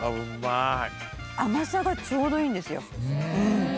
甘さがちょうどいいんですよ。